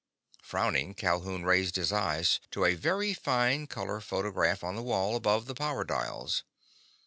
Frowning, Calhoun raised his eyes to a very fine color photograph on the wall above the power dials.